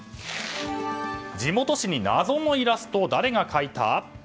地元紙に謎のイラスト誰が描いた？